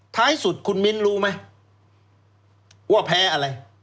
ท้ายสุดคุณมิ้นรู้ไหมว่าแพ้อะไร